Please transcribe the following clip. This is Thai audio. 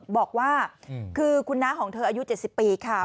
บอกว่าคือคุณน้าของเธออายุ๗๐ปีค่ะ